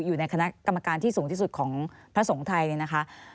อยู่ในคณะกรรมการที่สูงที่สุดของพระสงฆ์ไทยเนี่ยนะคะ